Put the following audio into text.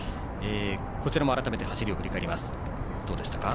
こちらも改めて走りを振り返ります。